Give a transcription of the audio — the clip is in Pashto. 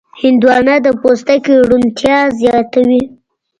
هندوانه د پوستکي روڼتیا زیاتوي.